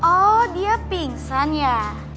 oh dia pingsan ya